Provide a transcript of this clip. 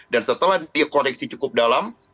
dan setelah koreksi cukup dalam